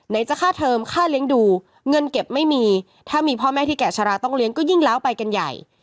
จะค่าเทอมค่าเลี้ยงดูเงินเก็บไม่มีถ้ามีพ่อแม่ที่แก่ชะลาต้องเลี้ยงก็ยิ่งล้าวไปกันใหญ่